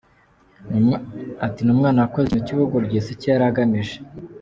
Ati″Ni umwana wakoze ikintu cy’ubugoryi, si cyo yari agamije.